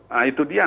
nah itu dia